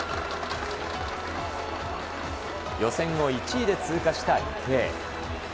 予選を１位で通過した池江。